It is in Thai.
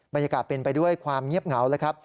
บรรยากาศเป็นไปด้วยความเงียบเหงาแล้วครับ